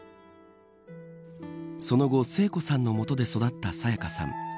その後、聖子さんの下で育った沙也加さん。